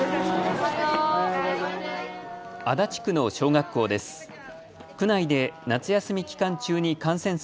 足立区の小学校です。